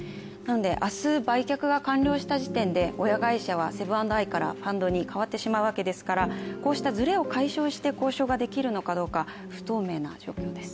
明日売却が完了した時点で親会社はセブン＆アイからファンドに変わってしまうわけですから、こうしたずれを解消して交渉ができるかどうか不透明な状況です。